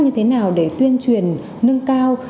như thế nào để tuyên truyền nâng cao